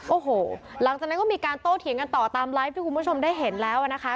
โอ้โหหลังจากนั้นก็มีการโต้เถียงกันต่อตามไลฟ์ที่คุณผู้ชมได้เห็นแล้วนะคะ